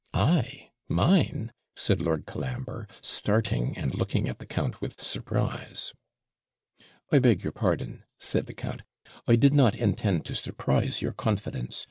'I! mine!' said Lord Colambre, starling, and looking at the count with surprise. 'I beg your pardon,' said the count; 'I did not intend to surprise your confidence.